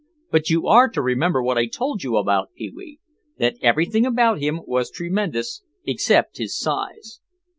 But you are to remember what I told you about Pee wee, that everything about him was tremendous except his size.